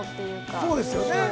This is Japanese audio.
◆そうですよね。